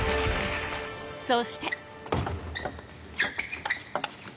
そして。